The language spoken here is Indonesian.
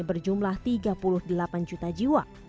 berjumlah tiga puluh delapan juta jiwa